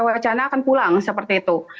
wacana akan pulang seperti itu